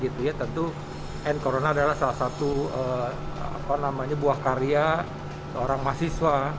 tentu n corona adalah salah satu buah karya seorang mahasiswa